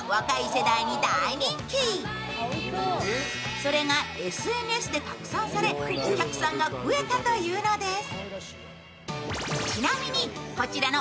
それがＳＮＳで拡散され、お客さんが増えたというのです。